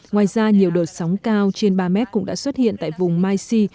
ngoài ra nhiều đột sóng cao trên ba mét cũng đã xuất hiện tại vùng maishi